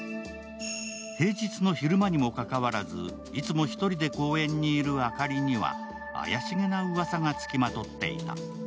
平日の昼間にもかかわらず、いつも１人で公園にいるあかりには怪しげなうわさがつきまとっていた。